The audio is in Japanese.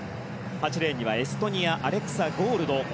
８レーンにエストニアアレクサ・ゴールド。